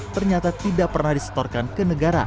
ternyata tidak pernah disetorkan ke negara